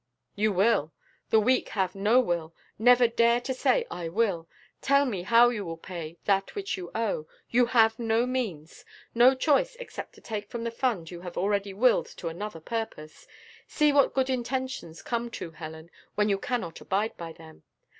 "You will! The weak have no will never dare to say I will. Tell me how you will pay that which you owe. You have no means no choice, except to take from the fund you have already willed to another purpose. See what good intentions, come to, Helen, when you cannot abide by them!"